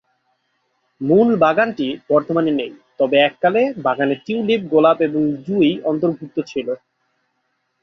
মূল বাগানটি বর্তমানে নেই, তবে এককালে বাগানে টিউলিপ, গোলাপ এবং জুঁই অন্তর্ভুক্ত ছিল।